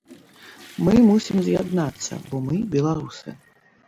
Мы мусім з'яднацца, бо мы беларусы.